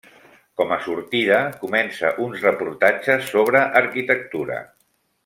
Com a sortida, comença uns reportatges sobre arquitectura.